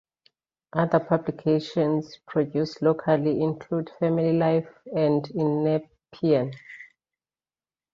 Other publications produced locally include "Family Life" and "In Nepean".